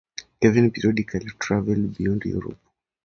Kevin periodically traveled beyond Europe.